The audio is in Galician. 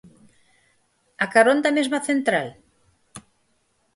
A carón da mesma central?